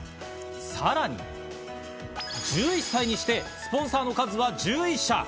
さらに１１歳にしてスポンサーの数は１１社。